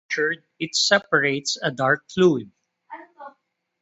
If punctured, it suppurates a dark fluid.